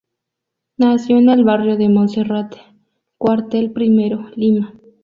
Nació en el Barrio de Monserrate, Cuartel Primero, Lima.